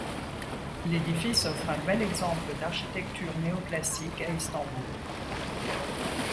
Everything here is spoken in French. L'édifice offre un bel exemple d’architecture néoclassique à Istamboul.